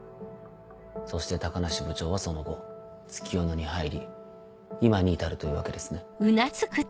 そして高梨部長はその後月夜野に入り今に至るというわけですね。